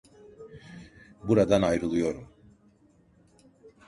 Buradan ayrılıyorum.